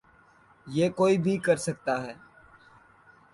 یہ کوئی بھی کر سکتا ہے۔